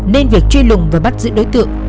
nên việc truy lùng và bắt giữ đối tượng